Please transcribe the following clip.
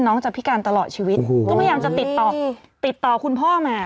น้องจะพิการตลอดชีวิตก็พยายามจะติดต่อติดต่อคุณพ่อมา